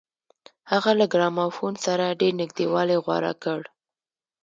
هغه له ګرامافون سره ډېر نږدېوالی غوره کړ.